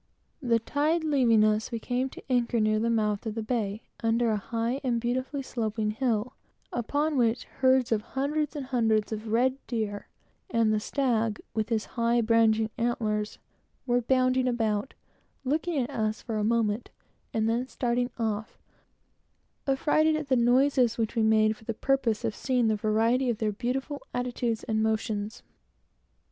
The tide leaving us, we came to anchor near the mouth of the bay, under a high and beautifully sloping hill, upon which herds of hundreds and hundreds of red deer, and the stag, with his high branching antlers, were bounding about, looking at us for a moment, and then starting off, affrighted at the noises which we made for the purpose of seeing the variety of their beautiful attitudes and motions.